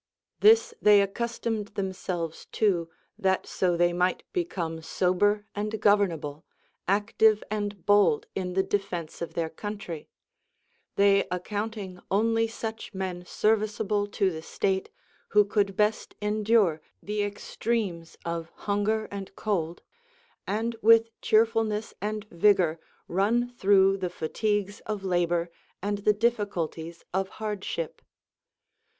This they accustomed themselves to, that so they might become sober and governable, active and bold in the defence of their country ; they accounting only such men serviceable to the state, who could best endure the extremes of hunger and cold, and Avith cheerfulness and vigor run through the fatigues of labor and the difficulties of hardship.